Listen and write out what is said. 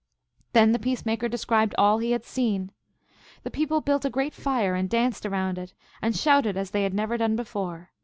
Then the Peace Maker de scribed all he had seen. The people built a great fire and danced around it, and shouted as they had never done before.